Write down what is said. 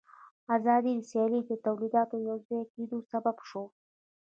آزاده سیالي د تولیداتو د یوځای کېدو سبب شوه